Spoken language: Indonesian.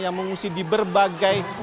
yang mengungsi di berbagai